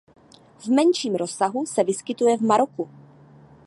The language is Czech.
V menším rozsahu se vyskytuje v Maroku.